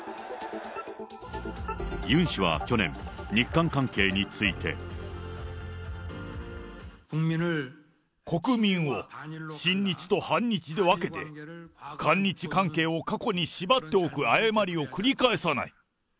ユン氏は去年、日韓関係について。国民を親日と反日で分けて、韓日関係を過去に縛っておく誤りを繰り返さない。